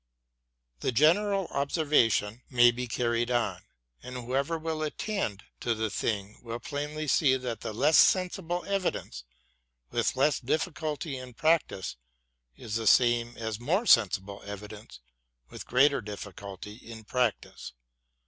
The general observation may be carried on ; and whoever will attend to the thing will plainly see that less sensible evidence, with less difficulty in practice, is the same as more sensible evidence with greater difficulty in practice.